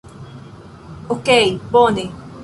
Okej, bone.